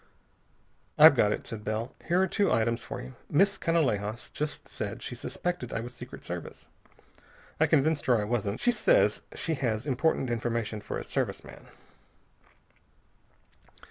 "I've got it," said Bell. "Here are two items for you. Miss Canalejas just said she suspected I was Secret Service. I convinced her I wasn't. She says she has important information for a Service man."